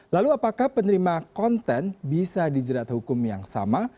lalu apakah penerima konten bisa dijerat hukum yang sama